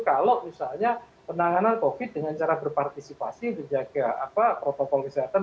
kalau misalnya penanganan covid dengan cara berpartisipasi menjaga protokol kesehatan